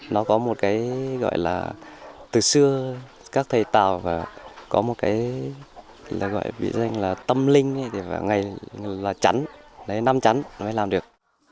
nó có một cái gọi là từ xưa các thầy tào có một cái gọi là tâm linh ngày là chắn năm chắn mới làm được